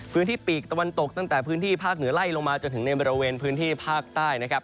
ปีกตะวันตกตั้งแต่พื้นที่ภาคเหนือไล่ลงมาจนถึงในบริเวณพื้นที่ภาคใต้นะครับ